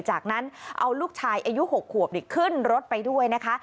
จากนั้นเอาลูกชายอายุ๖ขวบขึ้นรถไปด้วยนะคะ